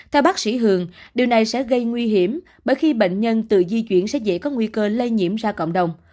theo bác sĩ hường điều này sẽ gây nguy hiểm bởi khi bệnh nhân tự di chuyển sẽ dễ có nguy cơ lây nhiễm ra cộng đồng